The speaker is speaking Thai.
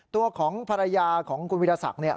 ตัวของภรรยาของคุณวิทยาศักดิ์เนี่ย